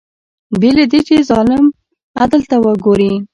بې له دې چې ظلم عدل ته وګوري